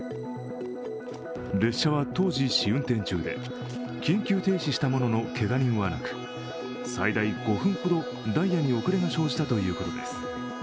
列車は当時、試運転中で緊急停止したもののけが人はなく最大５分ほどダイヤに遅れが生じたということです。